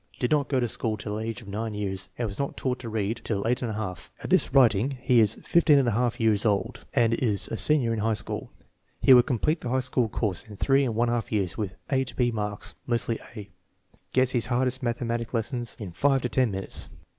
Did not go to school till age of 9 years and was not taught to read till 8J^. At this writing he is 15j^ years old and is a senior in high school. He will complete the high school course in three and one half years with A to B marks, mostly A. Gets his hardest mathematics lessons in five to ten minutes.